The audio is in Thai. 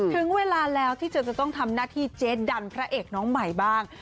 ถึงเวลาแล้วที่จะต้องทำหน้าที่เจ๊ดันพระเอกน้องใหม่บ้าง